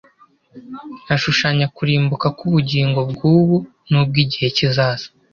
Hashushanya kurimbuka k ubugingo bw ubu n ubw igihe kizaza